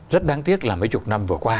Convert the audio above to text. rất đáng tiếc là mấy chục năm vừa qua